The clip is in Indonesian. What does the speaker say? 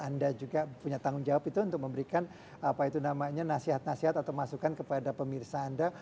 anda juga punya tanggung jawab itu untuk memberikan apa itu namanya nasihat nasihat atau masukan kepada pemirsa anda